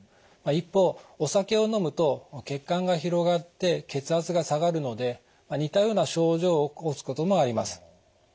一方お酒を飲むと血管が広がって血圧が下がるので似たような症状を起こすこともあります。